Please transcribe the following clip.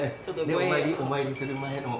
お参りする前の。